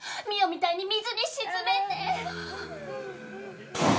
澪みたいに水に沈めて！